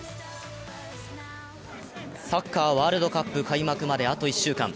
サッカー・ワールドカップ開幕まであと１週間。